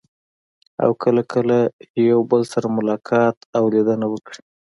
او کله کله یو بل سره ملاقات او لیدنه وکړي.